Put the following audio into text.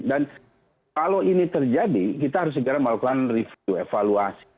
dan kalau ini terjadi kita harus segera melakukan review evaluasi